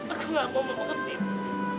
aku gak mau mama ketipu